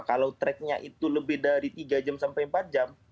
kalau tracknya itu lebih dari tiga jam sampai empat jam